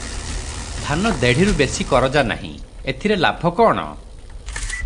ଧାନ ଦେଢ଼ିରୁ ବେଶି କରଜା ନାହିଁ, ଏଥିରେ ଲାଭ କଣ?